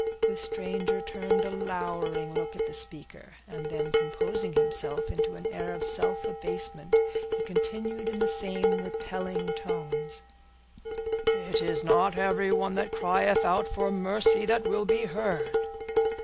The stranger turned a lowering look at the speaker, and then composing himself into an air of self abasement, he continued in the same repelling tones,— "It is not everyone that crieth out for mercy, that will be heard.